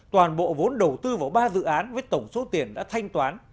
toàn bộ vốn đầu tư vào ba dự án với tổng số tiền đã thanh toán